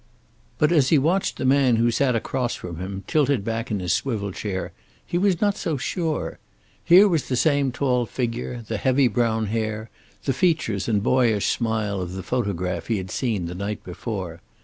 But, as he watched the man who sat across from him, tilted back in his swivel chair, he was not so sure. Here was the same tall figure, the heavy brown hair, the features and boyish smile of the photograph he had seen the night before.